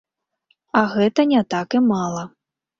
А гэта не так і мала.